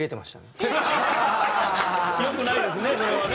良くないですね